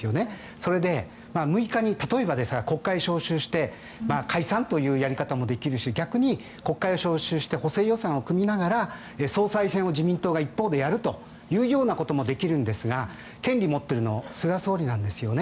それで６日に例えばですが国会を召集して解散というやり方もできるし逆に国会を召集して補正予算を組みながら総裁選を自民党が一方でやるということもできるんですが権利を持っているのは菅総理なんですよね。